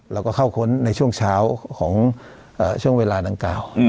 เราก็เข้าค้นในช่วงเช้าของช่วงเวลาดังกล่าว